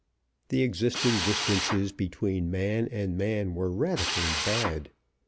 The existing distances between man and man were radically bad.